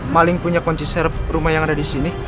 maling punya kunci serap rumah yang ada di sini